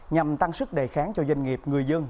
nhằm tăng sức đề kháng cho doanh nghiệp người dân